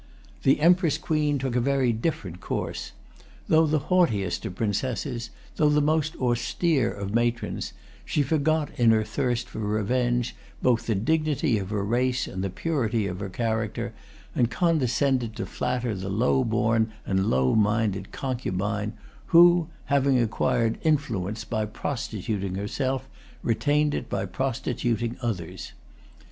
The Empress Queen took a very different course. Though the haughtiest of princesses, though the most austere of matrons, she forgot in her thirst for revenge both the dignity of her race and the purity of her character, and condescended to flatter the low born and low minded concubine, who, having acquired influence by prostituting herself, retained it by prostituting others.